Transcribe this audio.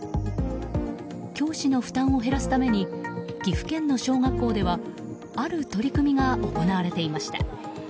教師の負担を減らすために岐阜県の小学校ではある取り組みが行われていました。